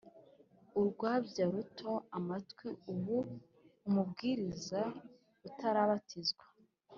urwabya ruto amatwi ubu ni umubwiriza utarabatizwa